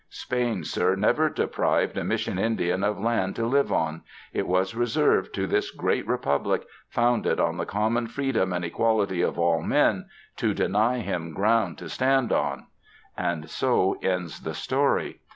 Spain, sir, never deprived a Mission Indian of land to live on — it was reserved to this great republic, founded on the common freedom and equality of all men, to deny him ground to stand on. And so ends the story.